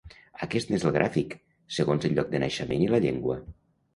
Aquest n’és el gràfic, segons el lloc de naixement i la llengua.